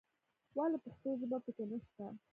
ولې پښتو ژبه په کې نه شته.